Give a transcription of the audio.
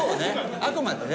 あくまでね。